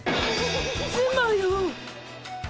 つまよっ！